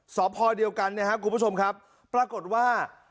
สอบพอเดียวกันนะครับคุณผู้ชมครับปรากฏว่า